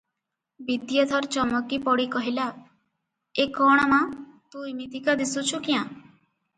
ବିଦ୍ୟାଧର ଚମକି ପଡ଼ି କହିଲା "ଏ କଣ ମା! ତୁ ଇମିତିକା ଦିଶୁଛୁ କ୍ୟାଁ?